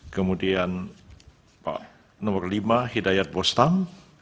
kemudian pak nomor lima hidayat bosstam